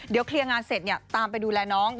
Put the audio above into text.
เดี๋ยวเคลียร์งานเสร็จตามไปดูแลน้อง